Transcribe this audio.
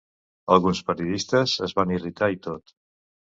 Alguns periodistes es van irritar i tot.